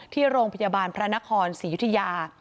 ที่โรงพยาบาลพระนครศรียุธยา